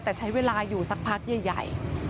แต่ใช้เวลาอยู่สักพักใหญ่